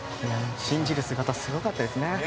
信じる姿すごかったですね。